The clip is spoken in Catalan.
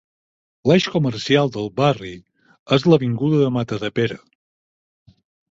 L'eix comercial del barri és l'avinguda de Matadepera.